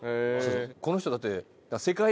この人だって。